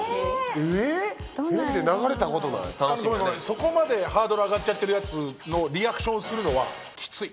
そこまでハードル上がっちゃってるやつのリアクションするのは。